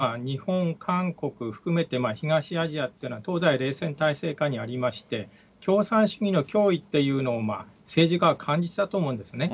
この当時、日本、韓国含めて、東アジアっていうのは、東西冷戦体制下にありまして、共産主義の脅威というのを政治家は感じてたと思うんですね。